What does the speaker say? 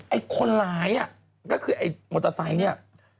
ไอ้คนร้ายก็คือไอ้มอเตอร์ไซค์เนี่ย